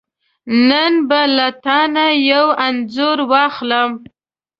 نن به له تانه یو انځور واخلم .